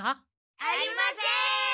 ありません！